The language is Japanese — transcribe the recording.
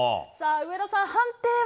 上田さん、判定は？